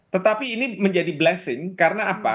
tetapi ini menjadi blessing karena apa